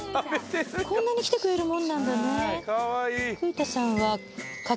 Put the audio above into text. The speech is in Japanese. こんなに来てくれるもんなんだね。